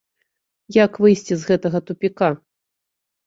Як выйсці з гэтага тупіка?